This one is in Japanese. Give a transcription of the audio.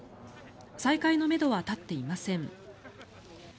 再開のめどは立っていません。